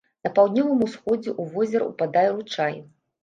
На паўднёвым усходзе ў возера ўпадае ручай.